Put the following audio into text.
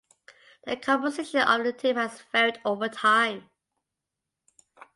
The composition of the team has varied over time.